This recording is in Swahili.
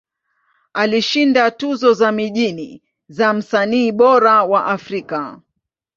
Alishinda tuzo za mijini za Msanii Bora wa Afrika.